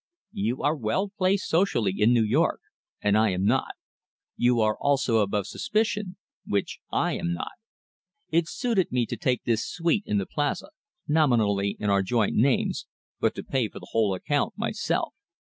You are well placed socially in New York, and I am not. You are also above suspicion, which I am not. It suited me to take this suite in the Plaza, nominally in our joint names, but to pay the whole account myself.